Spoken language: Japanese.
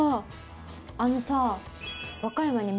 あのさ。